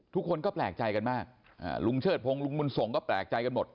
ทุกคนก็แปลกใจกันมากลุงเชิดพงศ์ลุงบุญส่งก็แปลกใจกันหมด